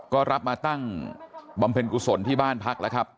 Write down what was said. ก็รับมาตั้งบำเพ็ญกุศลที่บ้านพักแล้วครับ